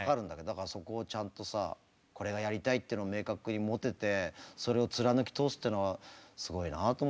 だからそこをちゃんとさこれがやりたいっていうのを明確に持ててそれを貫き通すっていうのはすごいなと思うよその若さで。